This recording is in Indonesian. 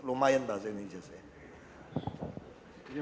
lumayan bahasa indonesia saya